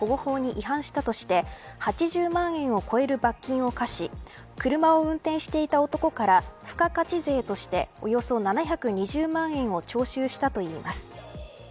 州当局は、雇い主がスイスの文化財保護法に違反したとして８０万円を超える罰金を科し車を運転していた男から付加価値税として、およそ７２０万円を徴収したといいます。